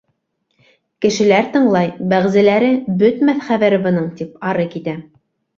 Кешеләр тыңлай, бәғзеләре, бөтмәҫ хәбәре бының, тип ары китә.